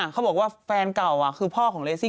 เขาบอกว่าแฟนเก่าคือพ่อของเลซิ่ง